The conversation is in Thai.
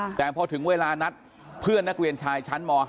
แต่พอถึงเวลานัดเพื่อนนักเรียนชายชั้นม๕